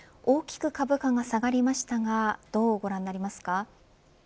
大きく株価が下がりましたがどうご覧になりますか。